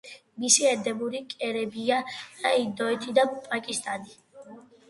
მისი ენდემური კერებია ინდოეთი და პაკისტანი.